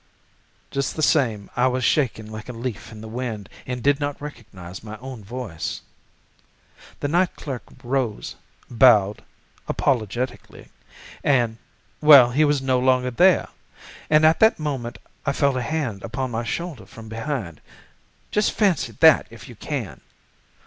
"Just the same, I was shaking like a leaf in the wind and did not recognize my own voice. "The night clerk rose, bowed (apologetically) and—well, he was no longer there, and at that moment I felt a hand laid upon my shoulder from behind. Just fancy that if you can!